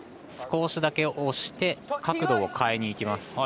少しだけ押して角度を変えにいきます。